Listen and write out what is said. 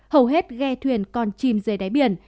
hầu hết ghe thuyền còn chìm dưới đáy biển